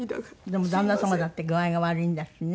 でも旦那様だって具合が悪いんだしね。